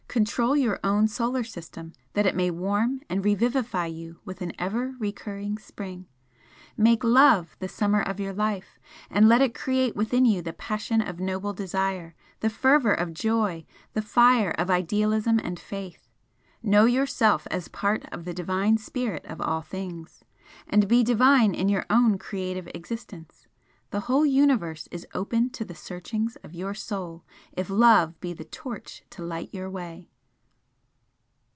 Control your own solar system that it may warm and revivify you with an ever recurring spring! Make Love the summer of your life, and let it create within you the passion of noble desire, the fervour of joy, the fire of idealism and faith! Know yourself as part of the Divine Spirit of all things, and be divine in your own creative existence. The whole Universe is open to the searchings of your Soul if Love be the torch to light your way!"